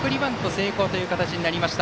成功という形になりました。